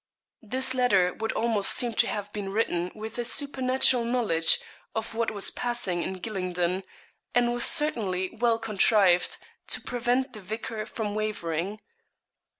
This letter would almost seem to have been written with a supernatural knowledge of what was passing in Gylingden, and was certainly well contrived to prevent the vicar from wavering.